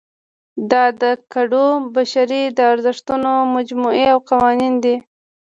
دا د ګډو بشري ارزښتونو مجموعې او قوانین دي.